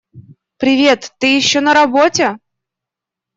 Привет! Ты ещё на работе?